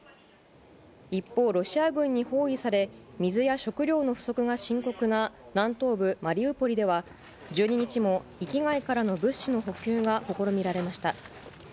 一方、ロシア軍に包囲され水や食料の不足が深刻な南東部マリウポリでは１２日も域外からの物資の補給が試みられました。